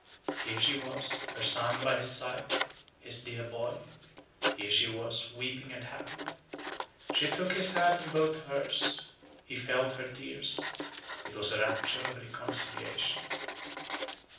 Here she was, her son by his side, his dear boy. Here she was, weeping and happy. She took his hand in both hers; he felt her tears. It was a rapture of reconciliation.